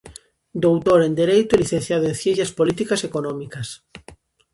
Doutor en Dereito e licenciado en Ciencias Políticas e Económicas.